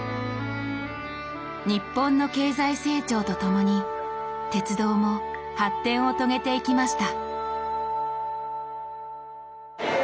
日本の経済成長とともに鉄道も発展を遂げていきました。